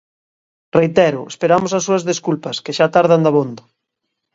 Reitero, esperamos as súas desculpas, que xa tardan dabondo.